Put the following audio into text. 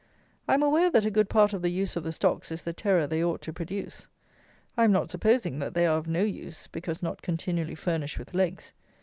I am aware that a good part of the use of the stocks is the terror they ought to produce. I am not supposing that they are of no use because not continually furnished with legs.